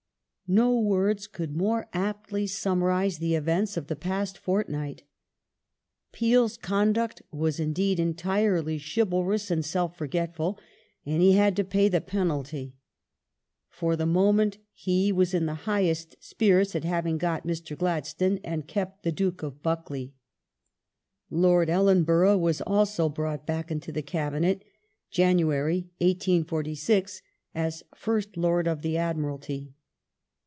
^ No words could more aptly summarize the events of the past fortnight : Peel's conduct was indeed entirely chivalrous and self forgetful, and he had to pay the penalty. For the moment he was " in the highest spirits at having got Mr. Gladstone and kept the Duke of Buccleuch ".* Lord Ellenborough was also brought back into the Cabinet (Jan. 1846) as First Lord of the Admiralty.